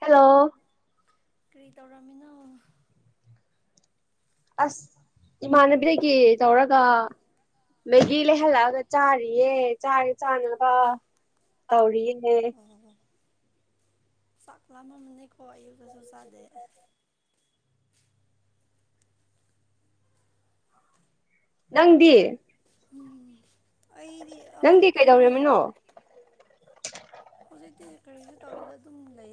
hello ꯀꯔꯤ ꯇꯧꯔꯝꯃꯤꯅꯣ ꯑꯁ ꯏꯃꯥꯟꯅꯕꯤꯗꯒꯤ ꯇꯧꯔꯒ ꯃꯦꯗꯤ ꯂꯩꯍꯜꯂꯛꯑꯒ ꯆꯥꯔꯤꯌꯦ ꯆꯥꯔꯦ ꯆꯥꯅꯕ ꯇꯧꯔꯤꯌꯦ ꯆꯛꯃ ꯑꯅꯤꯀꯣ ꯑꯌꯨ ꯀꯁꯨ ꯁꯥꯗꯦ [inaudible] ꯅꯪꯗꯤ ꯎꯝ ꯑꯩꯗꯤ ꯅꯪꯗꯤ ꯍꯧꯖꯤꯛꯇꯪ ꯀꯩꯗꯧꯃꯤꯅꯣ ꯍꯧꯖꯤꯛꯇꯤ ꯀꯔꯤꯁꯨ ꯇꯧꯗꯗ ꯑꯗꯨꯝ ꯂꯩ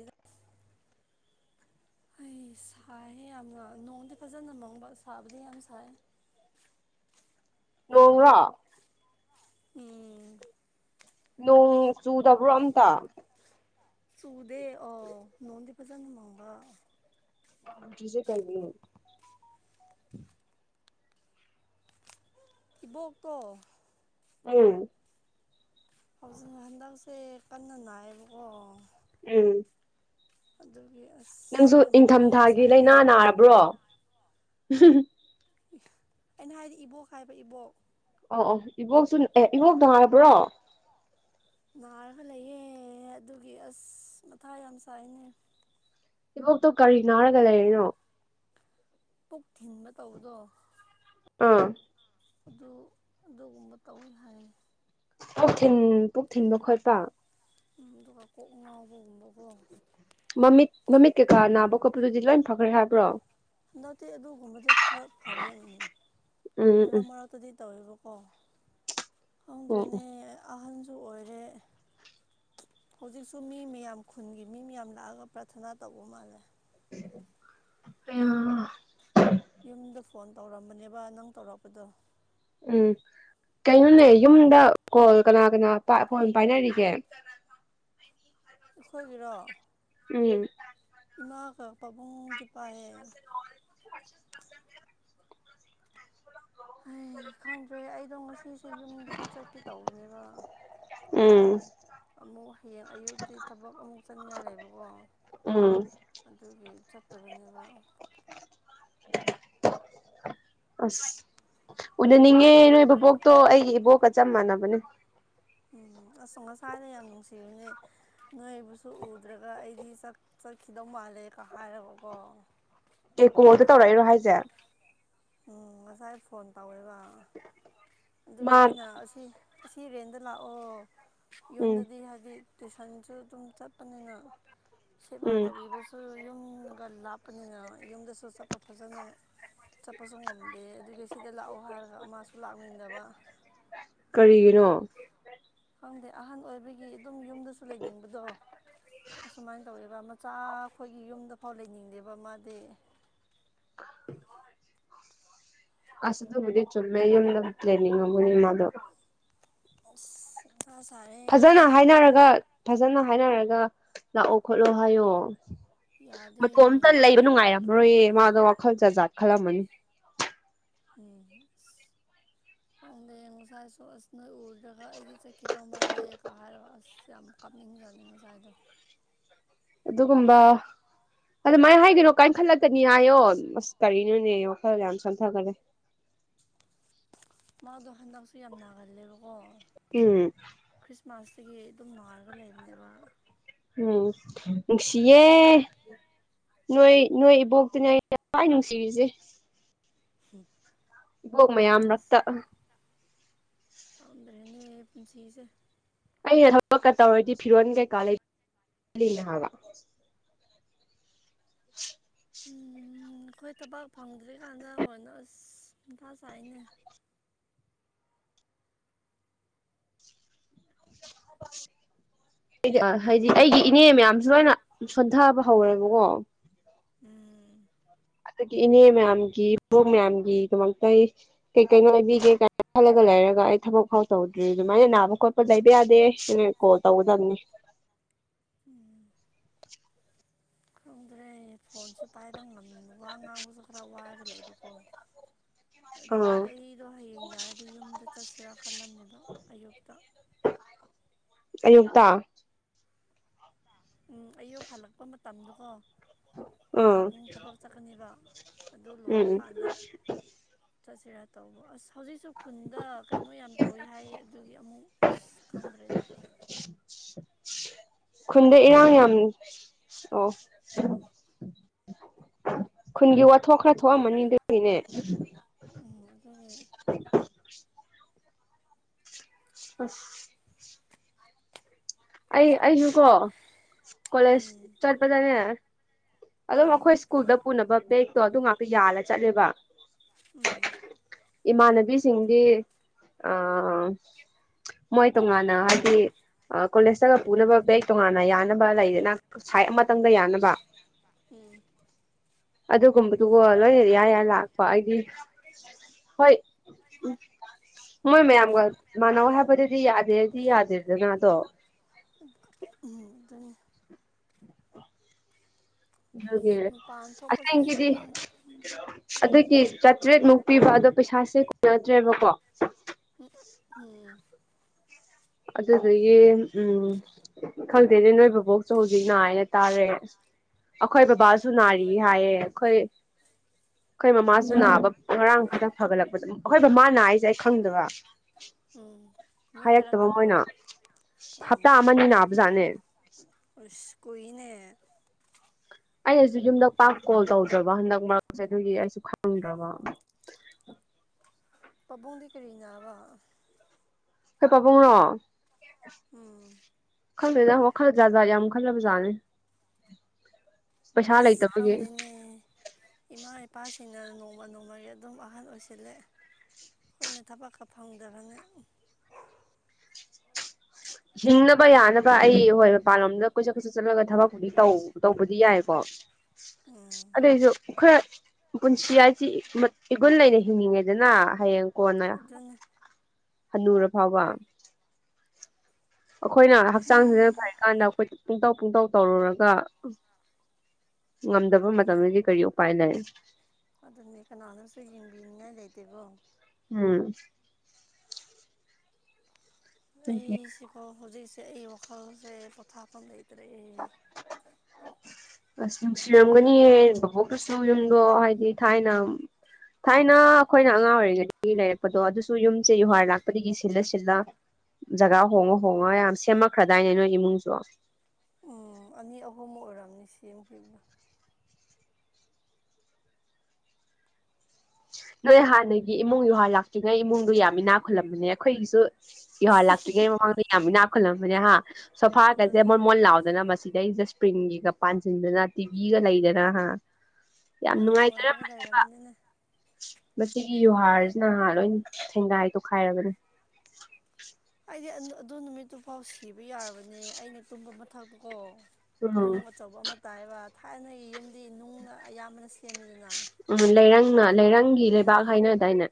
ꯑꯩ ꯁꯥꯏꯍꯦ ꯌꯥꯝꯅ ꯅꯣꯡꯗꯤ ꯐꯖꯅ ꯃꯪꯕ ꯁꯥꯕꯗꯤ ꯌꯥꯝ ꯁꯥꯏ [inaudible] ꯎꯉ ꯎꯝ ꯅꯣꯡ ꯆꯨꯗꯕ꯭ꯔꯣ ꯑꯝꯇ ꯆꯨꯗꯦ ꯑ ꯅꯣꯡꯣꯟꯗꯤ ꯐꯖꯅꯅꯨꯡ ꯃꯕ ꯆꯁꯦ ꯀꯅꯤ ꯎꯝ ꯏꯕꯣꯛꯀꯣ ꯎꯝ ꯍꯧꯖꯤꯛ ꯍꯟꯗꯛꯁꯦ ꯀꯟꯅ ꯅꯥꯏꯌꯦꯕꯀꯣ ꯎꯝ ꯑꯗꯨꯗ ꯅꯪꯁꯨ ꯏꯪꯊꯝꯊꯥꯒꯤ ꯂꯥꯏꯅꯥ ꯅꯥꯔꯕ꯭ꯔꯣ ꯑꯩꯅ ꯍꯥꯏꯗꯤ ꯏꯕꯣꯛ ꯍꯥꯏꯕ ꯏꯕꯣꯛ ꯑ ꯑꯣ ꯏꯕꯣꯛꯁꯨ ꯑꯦ ꯏꯕꯣꯛ ꯍꯥꯏꯕ꯭ꯔꯣ ꯅꯥꯔꯒ ꯂꯩꯌꯦꯦ ꯑꯗꯨꯒꯤ ꯑꯁ ꯃꯊꯥ ꯌꯥꯝ ꯁꯥꯏꯅꯦ ꯏꯕꯣꯛꯇꯣ ꯀꯔꯤ ꯅꯥꯔꯒ ꯂꯩꯔꯤꯅꯣ ꯄꯨꯛ ꯊꯤꯟꯕ ꯇꯧꯕꯗꯣ ꯑꯥ ꯑꯗꯨ ꯑꯗꯨꯒꯨꯝꯕ ꯇꯧꯋꯤ ꯍꯥꯏꯔꯦ ꯄꯨꯛ ꯊꯤꯟ ꯄꯨꯛ ꯊꯤꯟꯕ ꯈꯣꯠꯄ ꯎꯗ ꯋꯥꯀ ꯉꯉꯥꯎꯒꯨꯝꯕꯒꯣ ꯃꯃꯤꯠ ꯃꯃꯤꯠ ꯀꯩꯀꯥ ꯅꯥꯕ ꯈꯣꯠꯄꯗꯨꯗꯤ ꯂꯣꯏ ꯐꯈ꯭ꯔꯦ ꯍꯥꯏꯕ꯭ꯔꯣ ꯍꯟꯗꯛꯇꯤ ꯑꯗꯨꯒꯨꯝꯕꯗꯤ ꯈꯔ ꯐꯔꯦ ꯎꯝ ꯎꯝ ꯃꯔꯛ ꯃꯔꯛꯇꯗꯤ ꯇꯧꯋꯦꯕꯣ ꯑꯣ ꯑꯣ ꯈꯪꯗ꯭ꯔꯦꯅꯦ ꯑꯍꯟꯁꯨ ꯑꯣꯏꯔꯦ ꯍꯧꯖꯤꯛꯁꯨ ꯃꯤ ꯃꯌꯥꯝ ꯈꯨꯟꯒꯤ ꯃꯤ ꯃꯌꯥꯝ ꯂꯥꯛꯑꯒ ꯄ꯭ꯔꯊꯅꯥ ꯇꯧꯕ ꯃꯥꯜꯂꯦ ꯑ ꯌꯨꯝꯗ ꯐꯣꯟ ꯇꯧꯔꯝꯕꯅꯦꯕ ꯅꯪ ꯇꯧꯔꯛꯄꯗꯣ ꯎꯝ ꯀꯩꯅꯣꯅꯦ ꯌꯨꯝꯗ ꯀꯣꯜ ꯀꯅꯥ ꯀꯅꯥ ꯐꯣꯟ ꯄꯥꯏꯅꯔꯤꯒꯦ ꯈꯣꯏꯒꯤꯔꯣ ꯎꯝ ꯏꯃꯥ ꯀ ꯄꯥꯕꯨꯡ ꯇꯄ ꯍꯦ ꯍ ꯈꯪꯗ꯭ꯔꯦ ꯑꯩꯗꯣ ꯉꯁꯤꯁꯦ ꯌꯨꯝꯗꯗꯤ ꯆꯠꯀꯦ ꯇꯧꯕꯅꯦꯕ ꯎꯝ ꯑꯃꯨꯛ ꯍꯌꯦꯡ ꯑꯌꯨꯛꯇꯤ ꯊꯕꯛ ꯑꯃꯨꯛ ꯆꯠꯅꯤꯡꯉꯥꯏ ꯂꯩꯕꯀꯣ ꯎꯝ ꯑꯗꯨꯒꯤ ꯆꯠꯇꯕꯅꯦꯕ [inaudible] ꯑꯁ ꯎꯅꯅꯤꯡꯉꯦ ꯅꯣꯏ ꯕꯕꯣꯛꯇꯣ ꯑꯩꯒꯤ ꯏꯕꯣꯛꯀ ꯆꯞ ꯃꯥꯟꯅꯕꯅꯦ ꯎꯝ ꯑꯁꯣ ꯉꯁꯥꯅ ꯌꯥꯝ ꯅꯨꯡꯁꯤꯕꯅꯦ ꯅꯣꯏꯕꯁꯨ ꯎꯗ꯭ꯔꯒ ꯑꯩꯗꯤ ꯆꯠꯈꯤꯗꯧ ꯃꯥꯜꯂꯦꯒ ꯍꯥꯏꯔꯒꯀꯣ ꯀꯩ ꯀꯣꯜꯗ ꯇꯧꯔꯛꯏꯔꯣ ꯍꯥꯏꯁꯦ ꯎꯝ ꯉꯁꯥꯏ ꯐꯣꯟ ꯇꯧꯋꯦꯕ ꯑꯗꯨꯒꯤ ꯃꯥ ꯑꯩꯅ ꯑꯁꯤ ꯑꯁꯤ ꯔꯦꯟꯗ ꯂꯥꯛꯑꯣ ꯎꯝ ꯌꯨꯝꯗꯗꯤ ꯍꯥꯏꯗꯤ ꯇꯨꯏꯁꯟꯁꯨ ꯑꯗꯨꯝ ꯆꯠꯄꯅꯤꯅ ꯁꯦꯕꯥ ꯎꯝ ꯇꯧꯕꯤꯕꯁꯨ ꯌꯨꯝ ꯑꯗꯨꯒ ꯂꯥꯞꯄꯅꯤꯅ ꯌꯨꯝꯗꯁꯨ ꯆꯠꯄ ꯐꯖꯅ ꯀꯄꯁꯨ ꯉꯝꯗꯦ ꯑꯗꯨꯒꯤ ꯁꯤꯗ ꯂꯥꯛꯑꯣ ꯍꯥꯏꯔꯒ ꯃꯥꯁꯨ ꯂꯥꯛꯅꯤꯡꯗꯕ ꯀꯔꯤꯒꯤꯅꯣ ꯈꯪꯗꯦ ꯑꯍꯟ ꯑꯣꯏꯕꯒꯤ ꯑꯗꯨꯝ ꯌꯨꯝꯗꯁꯨ ꯂꯩꯅꯤꯡꯕꯗꯣ ꯑꯁꯨꯃꯥꯏꯅ ꯇꯧꯋꯦꯕ ꯆꯥ ꯑꯩꯈꯣꯏꯒꯤ ꯌꯨꯝꯗꯐꯥꯎ ꯂꯩꯅꯤꯡꯗꯦꯕ ꯃꯥꯗꯤ [unintelligible] ꯑꯁ ꯊꯕꯨꯗꯤ ꯆꯨꯝꯃꯦ ꯌꯗꯠ ꯂꯩꯅꯤ ꯉ ꯃꯅꯤ ꯃꯥꯗꯣ ꯑ ꯐꯖꯅ ꯍꯥꯏꯅꯔꯒ ꯐꯖꯅ ꯍꯥꯏꯅꯔꯒ ꯂꯥꯛꯑꯣ ꯈꯣꯠꯂꯣ ꯍꯥꯏꯌꯣ ꯌꯥꯗꯦ ꯃꯇꯣꯝꯇ ꯂꯩꯕ ꯅꯨꯡꯉꯥꯏꯔꯝꯃꯔꯣꯏꯌꯦ ꯃꯥꯗꯣ ꯑ ꯈꯜ ꯆ ꯆꯥꯈꯂ ꯑꯃꯅꯤꯅꯤ ꯎꯝ ꯁ ꯆꯗꯦ ꯀꯥ ꯖꯗꯅꯣꯁꯥꯏꯗ ꯑꯗꯨ ꯀꯨꯝꯕ ꯑꯗꯨ ꯃꯥꯏꯅ ꯍꯥꯏꯗꯣꯏꯅꯣ ꯀꯥꯏꯈꯠꯂꯛꯇꯅꯤ ꯍꯥꯏꯌꯣ ꯑꯁ ꯀꯔꯤꯅꯣꯅꯦ ꯋꯥꯈꯜ ꯌꯥꯝ ꯆꯪꯊꯈꯔꯦ [unintelligible] ꯃꯥꯗꯣ ꯍꯟꯗꯛꯁꯨ ꯌꯥꯝ ꯎꯝ ꯅꯥꯒꯜꯂꯦꯕꯀꯣꯔꯤ ꯃꯥꯔꯁꯇꯒꯤ ꯑꯗꯨꯝ ꯅꯥꯔꯒ ꯂꯩꯕꯅꯦꯕ ꯎꯝ ꯅꯨꯡꯁꯤꯌꯦ ꯅꯣꯏ ꯅꯣꯏ ꯏꯕꯣꯛꯇꯅꯦ ꯌꯥꯝꯋꯥꯏ ꯅꯨꯡꯁꯤꯔꯤꯁꯦ ꯍ ꯏꯕꯣ ꯃꯌꯥꯝ ꯃꯔꯛꯇ ꯑꯗꯅꯤ ꯄꯨꯟꯁꯤꯁꯦ ꯑꯩꯅ ꯊꯕꯛꯀ ꯇꯧꯔꯗꯤ ꯐꯤꯔꯣꯜ ꯀꯩꯀꯥ ꯂꯩꯅ ꯍꯥꯏꯕ [inaudible] ꯎꯝ ꯑꯩꯈꯣꯏ ꯊꯕꯥꯛ ꯐꯪꯗ꯭ꯔꯤꯀꯥꯟꯗ ꯍꯣꯏꯅ ꯑꯁ ꯏꯊꯥ ꯆꯥꯏꯅꯦ [inaudible] ꯗꯤ ꯍꯥꯏꯗꯤ ꯑꯩꯒꯤ ꯏꯅꯦ ꯃꯌꯥꯝꯁꯨ ꯂꯣꯏꯅ ꯁꯣꯟꯊꯕ ꯍꯧꯔꯦꯕꯀꯣ ꯎꯝ ꯑꯗꯨꯗꯒꯤ ꯏꯅꯦ ꯃꯌꯥꯝꯒꯤ ꯕꯣꯛ ꯃꯌꯥꯝꯒꯤꯗꯃꯛꯇ ꯑꯩ ꯀꯩ ꯀꯩꯅꯣ ꯂꯩꯕꯤꯒꯦ ꯀꯥꯏꯅ ꯈꯜꯂꯒ ꯂꯩꯔ ꯍꯥꯏꯔꯒ ꯑꯩ ꯊꯕꯛ ꯐꯥꯎ ꯇꯧꯗ꯭ꯔꯤ ꯑꯗꯨꯃꯥꯏꯅ ꯅꯥꯕ ꯈꯣꯠꯄ ꯂꯩꯕ ꯌꯥꯗꯦ ꯑꯩꯅ ꯀꯣꯜ ꯇꯧꯒꯗꯕꯅꯤ ꯎꯝ ꯑꯗꯨꯗꯩ ꯐꯣꯟꯁꯨ ꯄꯥꯏꯕ ꯉ ꯋꯥ ꯉꯥꯡꯕꯁꯨ ꯈꯔ ꯋꯥꯔꯒ ꯂꯩꯕꯀꯣ ꯑꯗꯨꯒꯤ ꯑꯥ ꯑꯩꯗꯣ ꯍꯌꯦꯡ ꯌꯥꯔꯗꯤ ꯌꯨꯝꯗ ꯆꯠꯁꯤꯔꯥ ꯈꯜꯂꯝꯅꯦꯕ ꯑꯌꯨꯛꯇ [inaudible] ꯑꯌꯨꯛꯇ ꯎꯝ ꯑꯌꯨꯛ ꯍꯜꯂꯛꯄ ꯃꯇꯝꯗꯨꯀꯣ ꯑꯩꯈꯣꯏ ꯎꯝ ꯄꯥꯕꯨꯡ ꯊꯕꯛ ꯆꯠꯀꯅꯤꯕ ꯑꯗꯨ ꯎꯝ ꯂꯣꯏꯔꯀꯥꯟꯗ ꯆꯠꯁꯤꯔꯥ ꯇꯧꯕ ꯑꯁ ꯍꯧꯖꯤꯛꯁꯨ ꯈꯨꯟꯗ ꯀꯩꯅꯣ ꯌꯥꯝ ꯇꯧꯋꯤ ꯍꯥꯏꯌꯦ ꯑꯗꯨꯒꯤ ꯑꯃꯨꯛ ꯑ ꯀꯪꯒ꯭ꯔꯦꯅ ꯈꯨꯟꯗ ꯏꯔꯥꯡ ꯌꯥꯝ ꯑꯣ ꯈꯨꯟꯒꯤ ꯋꯥꯊꯣꯛ ꯈꯔ ꯊꯣꯛꯑꯝꯃꯅꯤ ꯈꯨꯟꯗ ꯑꯗꯨꯒꯤꯅꯦ ꯒꯤ ꯑꯁ ꯑꯩ ꯑꯩꯁꯨ ꯀꯣ ꯀꯣꯂꯦꯖ ꯎꯝ ꯆꯠꯄꯗꯅꯦ ꯑꯝ ꯎꯝ ꯑꯩꯈꯣꯏ ꯁ꯭ꯀꯨꯜꯗ ꯄꯨꯅꯕ ꯕꯦꯒꯛꯇꯣ ꯑꯗꯨ ꯉꯥꯛꯇ ꯌꯥꯜꯂ ꯆꯠꯂꯦꯕ ꯎꯝ ꯏꯃꯥꯟꯅꯕꯤꯁꯤꯡꯗꯤ ꯑ ꯃꯣꯏ ꯇꯣꯉꯥꯟꯅ ꯍꯥꯏꯗꯤ ꯀꯣꯂꯦꯖꯇꯒ ꯄꯨꯅꯕ ꯕꯦꯛ ꯇꯣꯉꯥꯟꯅ ꯌꯥꯅꯕ ꯂꯩꯗꯅ ꯑꯃꯇꯪꯗ ꯌꯥꯅꯕ ꯎꯝ ꯑꯗꯨꯒꯨꯝꯕꯗꯨꯒꯣ ꯂꯣꯏꯅ ꯏꯌꯥ ꯌꯥ ꯂꯥꯛꯄ ꯍꯥꯏꯗꯤ ꯍꯣꯏ ꯎꯝ ꯃꯣꯏ ꯃꯌꯥꯝꯒ ꯃꯥꯟꯅꯧ ꯍꯥꯏꯕꯗꯨꯗꯤ ꯌꯥꯗꯦꯗꯤ ꯌꯥꯗꯦꯗꯅ ꯑꯗꯣ ꯑꯗꯨꯅꯤ ꯑꯗꯨꯒꯤ ꯃꯄꯥꯟ ꯊꯣꯛꯄꯁꯤꯁꯨ ꯑꯁꯦꯡꯒꯤꯗꯤ ꯑꯗꯨꯝ ꯑꯗꯨꯒꯤ ꯆꯥꯇ꯭ꯔꯦꯠꯃꯨꯛ ꯄꯤꯕ ꯑꯗꯣ ꯄꯩꯁꯥꯁꯦ ꯀꯨꯏꯅꯗ꯭ꯔꯦꯕꯀꯣ ꯎꯝ ꯑꯗꯨꯗꯗꯒꯤꯦ ꯎꯝ ꯈꯪꯗꯦꯅꯦ ꯅꯣꯏ ꯕꯕꯣꯛꯁꯨ ꯍꯧꯖꯤꯛ ꯅꯥ ꯍꯥꯏꯅ ꯇꯥꯔꯦ ꯑꯩꯈꯣꯏ ꯕꯕꯥꯁꯨ ꯅꯥꯔꯤ ꯍꯥꯏꯌꯦ ꯑꯩꯈꯣꯏ ꯑꯩꯈꯣꯏ ꯃꯃꯥꯁꯨ ꯅꯥꯕ ꯉꯔꯥꯡ ꯇꯪ ꯐꯒꯠꯂꯛꯄꯗ ꯑꯩꯈꯣꯏ ꯃꯃꯥ ꯅꯥꯏꯁꯦ ꯑꯩ ꯈꯪꯗꯕ ꯎꯝ ꯃꯣꯏ ꯍꯦꯜꯂ ꯣꯏꯅ ꯍꯞꯇꯥ ꯑꯃꯅꯤꯅꯤ ꯅꯥꯕꯖꯥꯠꯅꯦ ꯏꯅꯦ ꯑꯩꯅꯁꯨ ꯌꯨꯝꯗꯛ ꯄꯥꯛ ꯀꯣꯜ ꯇꯧꯗ꯭ꯔꯕ ꯍꯟꯗꯛ ꯃꯔꯛꯁꯦ ꯑꯗꯨꯒꯤ ꯑꯩꯁꯨ ꯈꯪꯗ꯭ꯔꯕ ꯄꯕꯨꯡꯗꯤ ꯀꯔꯤꯅꯥ ꯋꯥ ꯍ ꯄꯥꯕꯨꯡꯨꯡꯅꯣ ꯎꯝ ꯋꯥꯈꯜꯗꯗ ꯋꯥꯈꯜꯗ ꯖꯥꯖꯥ ꯌꯥꯝ ꯈꯜꯂꯕ ꯖꯥꯠꯅꯤ ꯑꯁ ꯀꯝꯗꯅꯦ ꯏꯃꯥꯦ ꯄꯥꯁ ꯁꯤꯡꯅ ꯅꯣꯡꯃ ꯅꯣꯡꯃꯒꯤ ꯑꯗꯨꯝ ꯑꯍꯟ ꯑꯣꯏꯁꯤꯜꯂꯦ ꯑꯩꯈꯣꯏꯅ ꯊꯕꯛꯀ ꯐꯪꯗꯕꯅ ꯍꯤꯡꯅꯕ ꯌꯥꯅꯕ ꯑꯩ ꯍꯣꯏ ꯃꯄꯥꯟꯂꯣꯝꯗ ꯀꯣꯏꯆꯠ ꯀꯣꯏꯆꯠ ꯆꯠꯂꯒ ꯊꯕꯛ ꯐꯥꯎꯗꯤ ꯇꯧꯕꯗꯤ ꯌꯥꯏꯀꯣ ꯎꯝ ꯑꯗꯩꯁꯨ ꯈꯔ ꯄꯨꯟꯁꯤ ꯍꯥꯏꯁꯤ ꯏꯒꯨꯟ ꯂꯩꯅ ꯍꯤꯡꯅꯤꯡꯉꯦꯗꯅ ꯍꯌꯦꯡ ꯑꯗꯨꯅ ꯍꯅꯨꯔ ꯐꯥꯎꯕ ꯑꯩꯈꯣꯏꯅ ꯍꯛꯆꯥꯡꯁꯤ ꯐ ꯀꯥꯟꯗ ꯑꯩꯈꯣꯏ ꯄꯨꯡꯇꯧ ꯄꯨꯡꯇꯧ ꯇꯧꯔꯨꯔꯒ ꯉꯝꯗꯕ ꯃꯇꯝꯗꯨꯗꯤ ꯀꯔꯤ ꯎꯄꯥꯏ ꯂꯩ ꯑꯗꯨꯅꯦ ꯀꯅꯥꯅꯁꯨ ꯌꯦꯡꯕꯤꯅꯤꯉꯥꯏ ꯂꯩꯇꯦꯀꯣ ꯎꯝ ꯑꯗꯨꯒꯤ ꯑꯩꯁꯤ ꯀꯣ ꯍꯧꯖꯤꯛꯁꯦ ꯑꯩ ꯋꯥꯈꯜꯁꯦ ꯄꯊꯥ ꯀ ꯂꯩ ꯇꯔ ꯑꯁ ꯅꯨꯡꯁꯤꯔꯝꯒꯅꯤꯌꯦ ꯚꯥꯕꯣꯛꯇꯨꯁꯨ ꯌꯨꯝꯗꯣ ꯍꯥꯏꯗꯤ ꯊꯥꯏꯅ ꯊꯥꯏꯅ ꯑꯩꯈꯣꯏꯅ ꯑꯉꯥꯡ ꯑꯣꯏꯔꯤꯉꯩꯗꯒꯤ ꯂꯩꯔꯛꯄꯗꯣ ꯑꯗꯨꯁꯨ ꯌꯨꯝꯁꯦ ꯌꯨꯍꯥꯔ ꯂꯥꯛꯄꯗꯒꯤ ꯁꯤꯜꯂ ꯁꯤꯜꯂ ꯖꯒꯥ ꯍꯣꯡꯉ ꯍꯣꯡꯉ ꯌꯥꯝ ꯁꯦꯝꯃꯛꯈ꯭ꯔꯗꯥꯏꯅꯦ ꯅꯣꯏ ꯏꯃꯨꯡꯁꯨ ꯎꯝ ꯑꯅꯤ ꯑꯍꯨꯝꯃꯨ ꯑꯣꯏꯔꯑꯝꯅꯤ ꯁꯦꯝꯈꯤꯕ ꯅꯣꯏ ꯍꯥꯟꯅꯒꯤ ꯏꯃꯨꯡ ꯌꯨꯍꯥꯔ ꯂꯥꯛꯇ꯭ꯔꯤꯉꯩ ꯏꯃꯨꯡꯗꯣ ꯌꯥꯝꯃꯤꯅꯥ ꯈꯨꯜꯂꯝꯕꯅꯦ ꯑꯩꯈꯣꯏꯒꯤꯁꯨ ꯏꯍꯣꯏ ꯂꯥꯛꯇ꯭ꯔꯤꯉꯩ ꯃꯃꯥꯡꯗ ꯌꯥꯝ ꯅꯥꯞꯈꯜꯂꯝꯕꯅꯦ ꯍꯥ ꯁꯣꯐꯥ ꯀꯁꯦ ꯑꯗꯨꯅꯦ ꯃ ꯃꯣꯟ ꯂꯥꯎꯗꯅ ꯃꯁꯤ ꯁꯤꯗꯩꯗ ꯏꯁꯄ꯭ꯔꯤꯡꯒꯤꯒ ꯄꯥꯟꯁꯤꯟꯗꯅ ꯇꯤꯚꯤꯒ ꯂꯩꯗꯅ ꯌꯥꯝ ꯅꯨꯡꯉꯥꯏꯔꯒ ꯅꯨꯡꯉꯥꯏꯖꯔꯝꯕꯁꯦꯕ ꯂꯩꯔꯝꯕꯅꯤꯅꯦ ꯃꯁꯤꯒꯤ ꯌꯨꯍꯥꯔꯁꯤꯅꯍꯥꯟ ꯂꯣꯏ ꯊꯦꯡꯒꯥꯏ ꯇꯣꯈꯥꯏꯔꯒꯅꯤ ꯑꯩꯗꯤ ꯑꯗꯨ ꯅꯨꯃꯤꯠꯇꯨꯐꯥꯎ ꯁꯤꯕ ꯌꯥꯔꯕꯅꯦ ꯑꯩꯅ ꯇꯨꯝꯕ ꯃꯊꯛꯇꯨꯀꯣ ꯎꯝ ꯅꯨꯡ ꯑꯆꯧꯕ ꯑꯃ ꯇꯥꯏꯕ ꯊꯥꯏꯅꯒꯤ ꯌꯨꯝ ꯗꯤ ꯅꯨꯡꯅ ꯑꯌꯥꯝꯕꯅ ꯁꯦꯝꯃꯤꯗꯅ ꯅꯪꯅ ꯂꯩꯔꯪꯒꯤ ꯂꯩꯕꯥꯛ ꯎꯝ ꯍꯥꯏꯅꯗꯥꯏꯅꯦ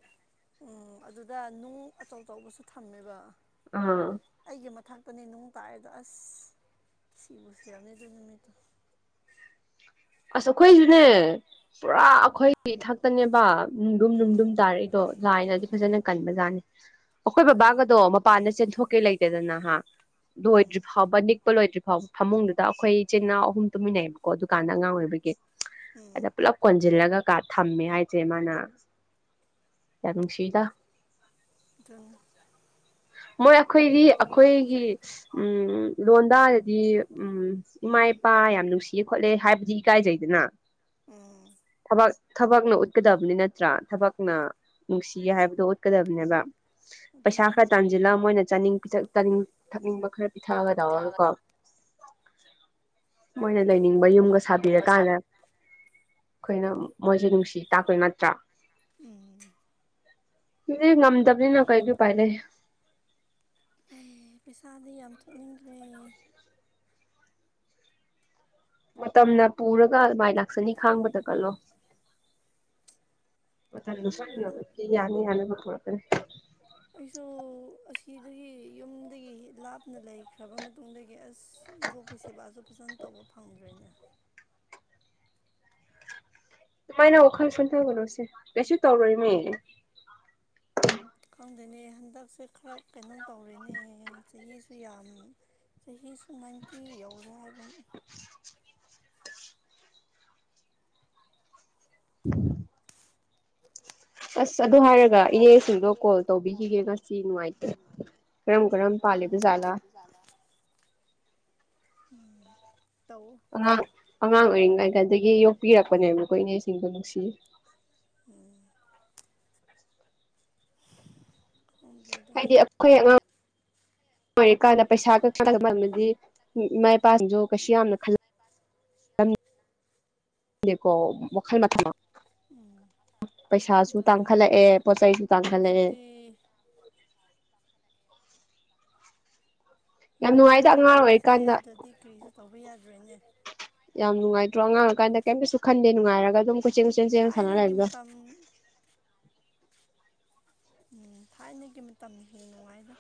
ꯎꯝ ꯑꯗꯨꯗ ꯅꯨꯡ ꯑꯆꯧ ꯑꯆꯧꯕꯁꯨ ꯊꯝꯃꯦꯕ ꯑꯥ ꯑꯄꯅꯦ ꯅꯨꯡ ꯄꯥꯏꯔꯦꯗꯣ ꯑꯁ ꯁꯤꯕꯨ ꯁꯤꯔꯝꯅꯤꯗꯣ ꯅꯨꯃꯤꯠꯇꯣ ꯑꯁ ꯑꯩꯈꯣꯏꯁꯨꯅꯦ ꯄꯨꯔꯥ ꯑꯩꯈꯣꯏꯒꯤ ꯊꯥꯛꯇꯅꯦꯕ ꯅꯨꯡꯗꯨꯝ ꯎꯝ ꯅꯨꯡꯗꯨꯝ ꯇꯥꯔꯛꯏꯗꯣ ꯂꯥꯏꯅꯗꯤ ꯐꯖꯅ ꯎꯝ ꯀꯟꯕꯖꯥꯠꯅꯤ ꯑꯩꯈꯣꯏ ꯑꯗꯨꯅꯦ ꯕꯕꯥꯒꯗꯣ ꯃꯄꯥꯟꯗ ꯆꯦꯟꯊꯣꯛꯀꯦ ꯂꯩꯇꯦꯗꯅ ꯍ ꯎꯝ ꯂꯣꯏꯗ꯭ꯔꯤ ꯐꯥꯎꯕ ꯅꯤ ꯆꯄ ꯂꯣꯏꯗ꯭ꯔꯤ ꯐꯥꯎ ꯐꯃꯨꯡꯗꯨꯗ ꯑꯩꯈꯣꯏ ꯏꯆꯦꯅꯥꯎ ꯑꯍꯨꯝ ꯇꯨꯃꯤꯟꯅꯩꯑꯕꯀꯣ ꯑꯗꯨꯗꯨꯀꯥꯟꯗ ꯑꯉꯥꯡ ꯑꯣꯏꯕꯒꯤ ꯑꯗ ꯎꯝ ꯄꯨꯂꯝ ꯀꯣꯟꯖꯤꯜꯂꯒ ꯀ ꯊꯝꯃꯦ ꯍꯥꯏꯁꯦ ꯃꯥꯅ ꯌꯥꯝ ꯅꯨꯡꯁꯤꯗ ꯑꯗꯨ ꯃꯣꯏ ꯑꯩꯈꯣꯏꯗꯤ ꯑꯩꯈꯣꯏꯒꯤ ꯎꯝ ꯂꯣꯟꯗꯥꯔꯗꯤ ꯎꯝ ꯏꯃꯥ ꯏꯄꯥ ꯌꯥꯝ ꯅꯨꯡꯁꯤꯌꯦ ꯈꯣꯠꯂꯦ ꯍꯥꯏꯕꯗꯤ ꯏꯀꯥꯏꯖꯩꯗꯅ ꯎꯝ ꯊꯕꯛ ꯊꯕꯛꯅ ꯎꯠꯀꯗꯕꯅꯤ ꯅꯠꯇ꯭ꯔꯥ ꯊꯕꯛꯅ ꯅꯨꯡꯁꯤ ꯍꯥꯏꯕꯗꯣ ꯎꯠꯀꯗꯕꯅꯦꯕ ꯄꯩꯁꯥ ꯑꯗꯨꯅꯦ ꯈꯔ ꯇꯥꯟꯁꯤꯜꯂꯒ ꯃꯣꯏꯅ ꯆꯥꯅꯤꯡ ꯊꯛꯅꯤꯡꯕ ꯈꯔ ꯏꯊꯛꯒ ꯇꯧꯔꯒꯀꯣ ꯃꯣꯏꯅ ꯂꯩꯅꯤꯡꯕ ꯌꯨꯝ ꯁꯥꯕꯤꯔꯀꯥꯟꯗ ꯑꯩꯈꯣꯏꯅ ꯃꯣꯏꯁꯦ ꯅꯨꯡꯁꯤ ꯇꯥꯛꯄꯣꯏ ꯅꯠꯇ꯭ꯔꯥ ꯎꯝ ꯏ ꯉꯝꯗꯕꯅꯤꯅ ꯀꯩꯗꯤ ꯎꯄꯥꯏ ꯂꯩ ꯄꯩꯥꯗꯤ ꯌꯥꯝ ꯊꯣꯛꯅꯤꯡꯗ꯭ꯔꯦ ꯃꯇꯝꯅ ꯄꯨꯔꯒ ꯑꯗꯨꯃꯥꯏ ꯂꯥꯛꯁꯅꯤ ꯈꯥꯡꯕꯗ ꯀꯜꯂꯣ ꯃ ꯊ ꯂ ꯈꯪꯗ꯭ꯔꯦꯗ ꯁꯣꯅꯕ ꯌꯥꯅꯤ ꯌꯥꯅꯕ ꯄꯨꯔꯛꯀꯅꯤ ꯑꯩꯁꯨ ꯑꯁꯤꯗꯒꯤ ꯌꯨꯝꯗꯒꯤ ꯂꯥꯞꯅ ꯂꯩꯈ꯭ꯔꯕ ꯃꯇꯨꯡꯗꯒꯤ ꯑꯁ ꯏꯕꯣꯛꯀꯤ ꯁꯦꯕꯥꯁꯨ ꯐꯖꯅ ꯇꯧꯕ ꯐꯪꯗ꯭ꯔꯦꯅꯦ ꯑꯗꯨꯃꯥꯏꯅ ꯋꯥꯈꯜ ꯁꯣꯟꯊꯒꯅꯣꯁꯦ ꯀꯩꯁꯨ ꯇꯧꯔꯣꯏꯃꯤ ꯈꯪꯗꯅꯦ ꯍꯟꯗꯛꯁꯦ ꯈꯔ ꯀꯩꯅꯣ ꯇꯧꯔꯦꯅꯦ ꯆꯍꯤꯁꯨ ꯌꯥꯝ ꯆꯍꯤꯁꯨ ꯅꯥꯏꯟꯇꯤ ꯌꯧꯔꯦ ꯍꯥꯏ ꯑꯗꯨꯨꯝ ꯎꯝ ꯑꯁ ꯑꯗꯨ ꯍꯥꯏꯔꯒ ꯏꯅꯦꯁꯤꯡꯗꯣ ꯀꯣꯜ ꯇꯧꯕꯤꯈꯤꯒꯦ ꯉꯁꯤ ꯅꯨꯡꯉꯥꯏꯇꯦ ꯀꯔꯝ ꯀꯔꯝ ꯄꯥꯂꯤꯕꯖꯠꯂꯥ ꯎꯝ ꯑꯉꯥꯡ ꯑꯉꯥꯡ ꯑꯣꯏꯔꯤꯉꯩ ꯀꯗꯒꯤ ꯌꯣꯛꯄꯤꯔꯛꯄꯅꯦꯕ ꯑꯩꯈꯣꯏ ꯏꯅꯦꯁꯤꯡꯗꯣ ꯅꯨꯡꯁꯤ ꯎꯝ ꯈꯪꯗ꯭ꯔꯦꯗ ꯍꯥꯏꯗꯤ ꯑꯩꯈꯣꯏ ꯑꯉꯥꯡ ꯃꯔꯝ ꯑꯣꯏꯔꯤꯀꯥꯟꯗ ꯄꯩꯁꯥ ꯈꯗꯤ ꯏꯃꯥ ꯏꯄꯥꯁꯤꯡꯁꯨ ꯀꯩꯁꯨ ꯌꯥꯝꯅ ꯈꯜꯂ ꯊꯝ ꯗꯦꯀꯣ ꯋꯥꯈꯜ ꯃ ꯊꯝ ꯃ ꯎꯝ ꯄꯩꯁꯥꯁꯨ ꯑꯗꯨꯅꯦ ꯇꯥꯡꯈꯠꯂꯛꯑꯦ ꯄꯣꯠ ꯆꯩꯁꯨ ꯇꯥꯡꯈꯠꯂꯛꯑꯦ ꯁꯤ ꯌꯥꯝ ꯔꯦ ꯅꯨꯡꯉꯥꯏꯗ ꯑꯉꯥꯡ ꯍꯧꯖꯤꯛꯇꯤ ꯄꯩꯁꯥ ꯑꯣꯏꯔꯤꯀꯥꯟꯗ ꯌꯥꯎꯗ꯭ꯔꯗꯤ ꯀꯔꯤꯁꯨ ꯇꯧꯕ ꯌꯥꯗ꯭ꯔꯦꯅꯦ ꯌꯥꯝ ꯅꯨꯡꯉꯥꯏꯇ꯭ꯔꯣ ꯑꯉꯥꯡꯑꯣꯢꯀꯥꯟꯗ ꯀꯩꯝꯇꯁꯨ ꯈꯟꯗꯦ ꯅꯨꯡꯉꯥꯏꯔꯒ ꯑꯗꯨꯝ ꯀꯣꯆꯤꯡ ꯀꯆꯁ ꯊꯥꯏꯅꯒꯤ ꯁꯅꯂꯩꯕꯗꯣ ꯃꯇꯝ ꯎꯝ ꯊꯥꯏꯅꯒꯤ ꯃꯇꯝꯅ ꯍꯦꯟꯅ ꯅꯨꯡꯉꯥꯏꯗ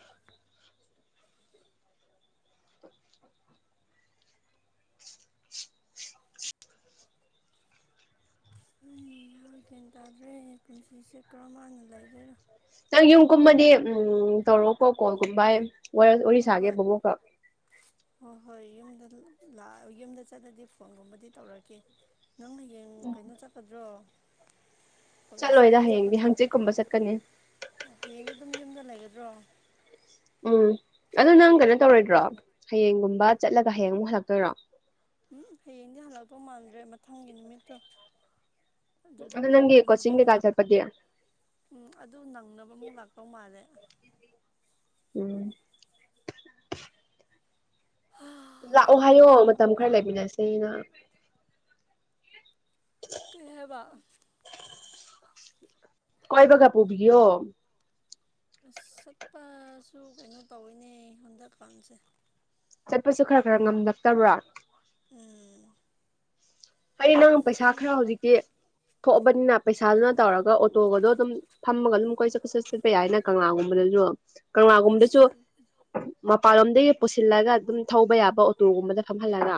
ꯑꯩ ꯌꯥ ꯒꯌꯥꯟ ꯇꯥꯗ꯭ꯔꯦ ꯄꯨꯟꯁꯤꯁꯦ ꯀꯔꯝꯃꯥꯢꯅ ꯂꯩꯗꯣꯏꯔꯣ ꯅꯪ ꯌꯨꯝꯒꯨꯝꯕꯗꯤ ꯎꯝ ꯇꯧꯔꯣꯀꯣ ꯀꯣꯜꯒꯨꯝꯕ ꯍꯥꯏ ꯍꯣꯏ ꯋꯥꯋꯥꯔꯤ ꯁꯥꯒꯦ ꯍꯣꯏ ꯃꯃꯣꯛꯀ ꯍꯣꯏ ꯍꯣꯏ ꯌꯨꯝꯗ ꯂ ꯌꯨꯝꯗ ꯆꯠꯂꯗꯤ ꯐꯣꯟꯒꯨꯝꯕꯗꯤ ꯇꯧꯔꯛꯀꯦ ꯅꯪꯅ ꯌꯦꯡ ꯀꯩꯅꯣ ꯆꯠꯀꯗ꯭ꯔꯣ ꯆꯠꯂꯣꯏꯗ ꯀꯣꯂꯦꯖꯀꯨꯝꯕ ꯍꯌꯦꯡꯗꯤ ꯆꯠꯀꯗ꯭ꯔꯣ ꯍꯪꯆꯤꯠꯀꯨꯝꯕ ꯆꯠꯀꯅꯤ ꯍꯩꯒꯗ꯭ꯔꯣ ꯎꯝ ꯑꯗꯨ ꯅꯪ ꯀꯩꯅꯣ ꯇꯧꯔꯣꯏꯗ꯭ꯔꯣ ꯍꯌꯦꯡꯒꯨꯝꯕ ꯆꯠꯂꯒ ꯍꯌꯦꯡ ꯑꯃꯨꯛ ꯍꯜꯂꯛꯇꯣꯏꯔꯣ ꯎꯝ ꯍꯌꯦꯡꯗꯤ ꯍꯜꯂꯛꯄ ꯃꯥꯟꯗ꯭ꯔꯦ ꯃꯊꯪꯒꯤ ꯅꯨꯃꯤꯠꯇꯣ ꯑꯗꯨꯗ ꯑꯗꯣ ꯅꯪꯒꯤ ꯑꯌꯨꯛꯀꯨꯝꯕꯗ ꯀꯣꯖꯤꯡ ꯀꯩꯀ ꯆꯠꯄꯗꯤ ꯎꯝ ꯑꯗꯨ ꯅꯪꯅꯕ ꯑꯃꯨꯛ ꯂꯥꯛꯇꯧ ꯃꯥꯜꯂꯦ ꯎꯝ ꯍꯥ ꯂꯥꯛꯑꯣ ꯍꯥꯏꯌꯣ ꯃꯇꯝ ꯈꯔ ꯈꯪꯗ꯭ꯔꯦꯗ ꯂꯩꯃꯤꯟꯅꯁꯦꯅ ꯀꯩ ꯍꯥꯢꯕꯥ ꯀꯣꯏꯕꯒꯥ ꯄꯨꯕꯤꯌꯣ ꯑꯁ ꯆꯠꯄꯁꯨ ꯀꯩꯅꯣ ꯇꯧꯋꯤꯅꯦ ꯍꯟꯗꯛꯀꯥꯟꯁꯦ ꯆꯠꯄꯁꯨ ꯈꯔ ꯈꯔ ꯉꯝꯂꯛꯇꯕ꯭ꯔꯥ ꯎꯝ ꯍꯥꯏꯗꯤ ꯅꯪ ꯄꯩꯁꯥ ꯃꯐꯝ ꯈꯔ ꯍꯧꯖꯤꯛꯇꯤ ꯊꯣꯛꯑꯕꯅꯤꯅ ꯄꯩꯁꯥꯗꯨꯅ ꯇꯧꯔꯒ ꯑꯣꯇꯣꯒꯗꯣ ꯑꯗꯨꯝ ꯐꯝꯃꯒ ꯑꯗꯨꯝ ꯀꯣꯏꯆꯠ ꯀꯣꯢꯆꯠ ꯆꯠꯄ ꯌꯥꯏꯅ ꯀꯪꯂꯥꯒꯨꯝꯕꯗꯁꯨ ꯀꯪꯂꯥꯒꯨꯝꯗꯁꯨ ꯑꯁ ꯃꯄꯥꯟꯂꯣꯝꯗꯒꯤ ꯄꯨꯁꯤꯜꯂꯒ ꯑꯗꯨꯝ ꯊꯧꯕ ꯌꯥꯕ ꯑꯣꯇꯣꯒꯨꯝꯕꯗ ꯐꯝꯍꯜꯂꯒ